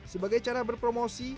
sebagai cara berpromosi